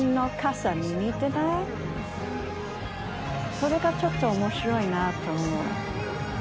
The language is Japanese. それがちょっと面白いなと思う。